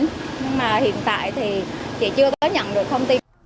nhưng mà hiện tại thì chị chưa có nhận được thông tin